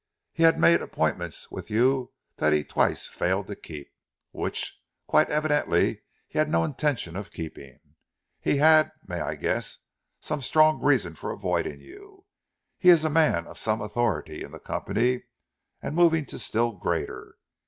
He had made appointments with you that he twice failed to keep which, quite evidently, he had no intention of keeping. He had may I guess? some strong reason for avoiding you; and he is a man of some authority in the Company and moving to still greater.